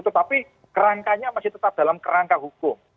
tetapi kerangkanya masih tetap dalam kerangka hukum